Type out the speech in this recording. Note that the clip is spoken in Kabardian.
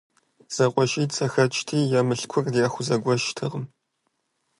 ЗэкъуэшитӀ зэхэкӀырти, я мылъкур яхузэрыгъэгуэшыртэкъым.